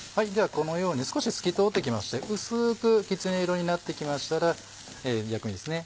このように少し透き通ってきまして薄くきつね色になってきましたら薬味ですね